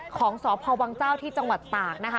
ของสวพวังเจ้าที่จังหวัดต่าง